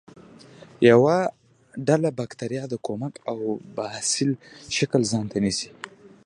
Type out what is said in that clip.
یوه ډله باکتریاوې د کوک او باسیل شکل ځانته نیسي.